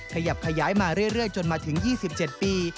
ขยับขยายมาเรื่อยจนมาถึง๒๗ปี